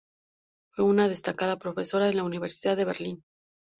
Fue una destacada profesora en la Universidad de Berlín.